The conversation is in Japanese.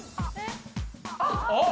あっ！